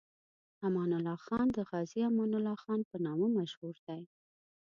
امان الله خان د غازي امان الله خان په نامه مشهور دی.